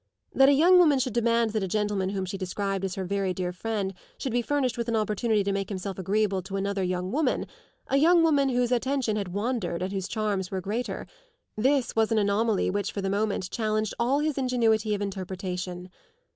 That a young woman should demand that a gentleman whom she described as her very dear friend should be furnished with an opportunity to make himself agreeable to another young woman, a young woman whose attention had wandered and whose charms were greater this was an anomaly which for the moment challenged all his ingenuity of interpretation.